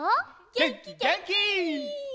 げんきげんき！